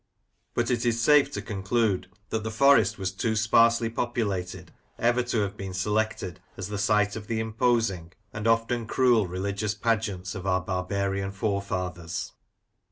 But it is safe to conclude that the Forest was too sparsely populated ever to have been selected as the site of the imposing and often Rossefidale: Past and Present 71 crael religious pageants of our barbarian forefathers.